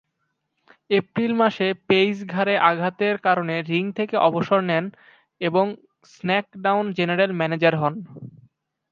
April মাসে Paige ঘাড়ে আঘাতের কারণে রিং থেকে অবসর নেন এবং স্ম্যাকডাউন জেনারেল ম্যানেজার হন।